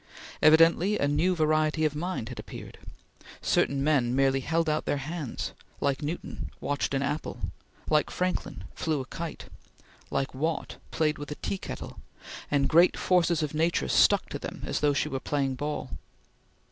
Evidently a new variety of mind had appeared. Certain men merely held out their hands like Newton, watched an apple; like Franklin, flew a kite; like Watt, played with a tea kettle and great forces of nature stuck to them as though she were playing ball.